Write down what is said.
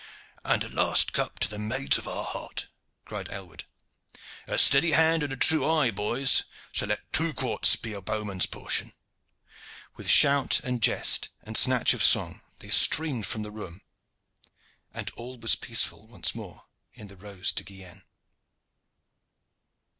"And a last cup to the maids of our heart!" cried Aylward. "A steady hand and a true eye, boys; so let two quarts be a bowman's portion." With shout and jest and snatch of song they streamed from the room, and all was peaceful once more in the "Rose de Guienne."